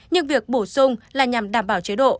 nhưng việc bổ sung là nhằm đảm bảo chế độ